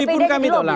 di lobi pun kami tolak